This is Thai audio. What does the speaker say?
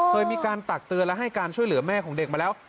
เคยมีการตักเตือนและให้การช่วยเหลือแม่ของเด็กมาแล้ว